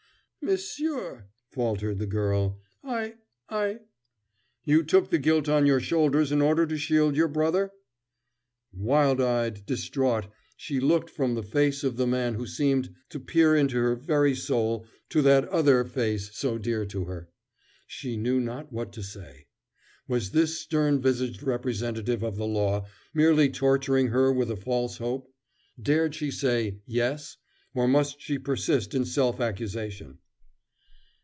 "Monsieur," faltered the girl, "I I " "You took the guilt on your shoulders in order to shield your brother?" Wild eyed, distraught, she looked from the face of the man who seemed to peer into her very soul to that other face so dear to her. She knew not what to say. Was this stern visaged representative of the law merely torturing her with a false hope? Dared she say "Yes," or must she persist in self accusation?